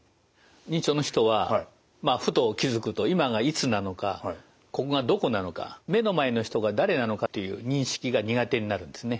認知症の人はふと気付くと今がいつなのかここがどこなのか目の前の人が誰なのかという認識が苦手になるんですね。